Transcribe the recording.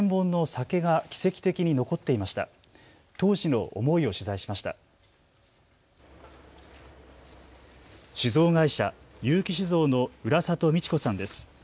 酒造会社、結城酒造の浦里美智子さんです。